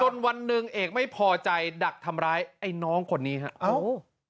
วันหนึ่งเอกไม่พอใจดักทำร้ายไอ้น้องคนนี้ฮะอ้าว